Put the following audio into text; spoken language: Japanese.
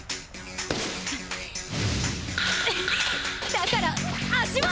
だから足は！